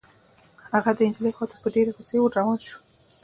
هغه د نجلۍ خوا ته په ډېرې غصې ور روان شو.